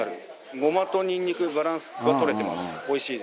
ゴマとにんにくバランスが取れてます。